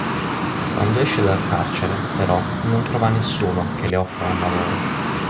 Quando esce dal carcere, però, non trova nessuno che le offra un lavoro.